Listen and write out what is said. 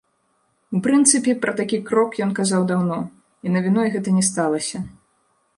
У прынцыпе, пра такі крок ён казаў даўно, і навіной гэта не сталася.